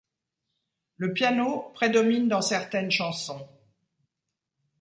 Le piano prédomine dans certaines chansons.